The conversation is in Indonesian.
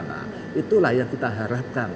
nah itulah yang kita harapkan